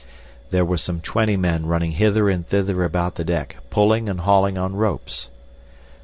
There were some twenty men running hither and thither about the deck, pulling and hauling on ropes.